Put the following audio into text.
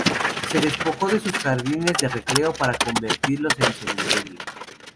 Se despojó de sus jardines de recreo para convertirlos en cementerio.